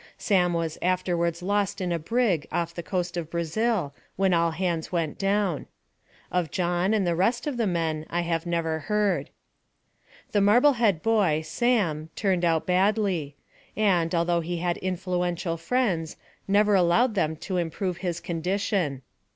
Sam was afterwards lost in a brig off the coast of Brazil, when all hands went down. Of John and the rest of the men I have never heard. The Marblehead boy, Sam, turned out badly; and, although he had influential friends, never allowed them to improve his condition.